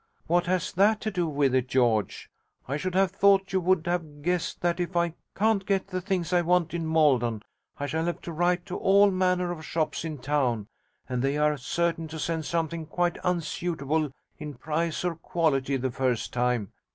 'What has that to do with it, George? I should have thought you would have guessed that if I can't get the things I want in Maldon I shall have to write to all manner of shops in town: and they are certain to send something quite unsuitable in price or quality the first time.